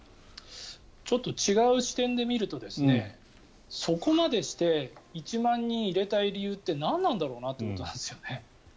ちょっと違う視点で見るとそこまでして１万人入れたい理由って何なんだろうなと思うんです。